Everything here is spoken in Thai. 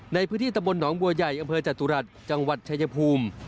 ในพื้นที่ตำบลหนองบัวใหญ่อำเภอจตุรัสจังหวัดชายภูมิ